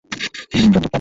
এরা মেরুদন্ডী প্রাণী।